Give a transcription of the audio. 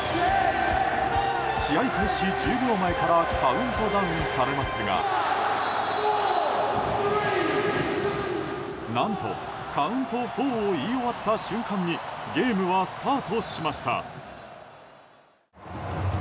試合開始１０秒前からカウントダウンされますが何と、カウント４を言い終わった瞬間にゲームはスタートしました。